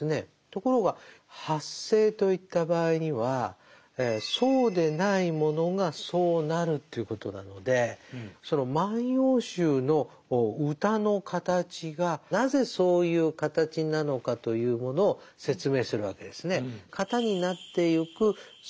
ところが「発生」といった場合にはそうでないものがそうなるということなのでその「万葉集」の歌の形がなぜそういう形なのかというものを説明するわけですね。